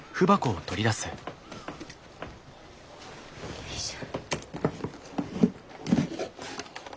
よいしょ。